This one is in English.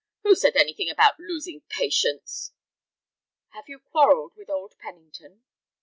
"Who said anything about losing patients?" "Have you quarrelled with old Pennington?"